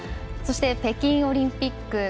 そして、北京オリンピック